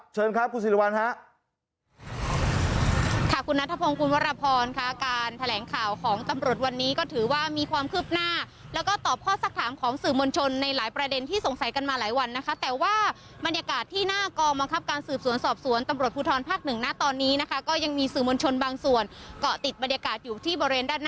เชิญครับคุณสิริวัลลักษัตริย์ครับ